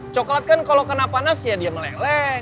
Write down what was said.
coklat kan kalau kena panas ya dia meleleh